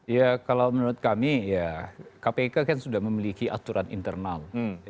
ya kalau menurut kami ya kpk kan sudah memiliki aturan internal